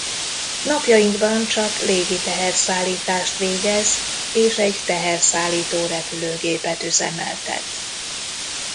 Napjainkban csak légi teherszállítást végez és egy teherszállító repülőgépet üzemeltet.